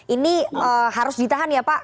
ini harus ditahan ya pak